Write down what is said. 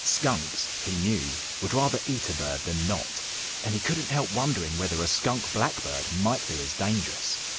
Skunks, he knew, would rather eat a bird than not. And he couldn't help wondering whether a Skunk Blackbird might be as dangerous.